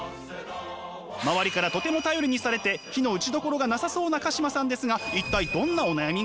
周りからとても頼りにされて非の打ちどころがなさそうな鹿島さんですが一体どんなお悩みが？